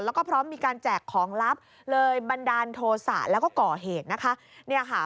แล้วก็พร้อมมีการแจกของลับเลยบันดาลโทษะแล้วก็ก่อเหตุนะคะเนี่ยค่ะ